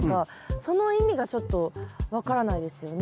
その意味がちょっと分からないですよね。